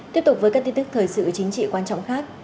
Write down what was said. tiếp tục với các tin tức thời sự chính trị quan trọng khác